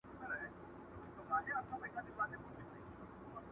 ما را وړي ستا تر دره پلنډي پلنډي ګناهونه،